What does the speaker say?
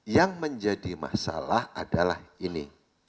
yang menjadi masalah adalah ini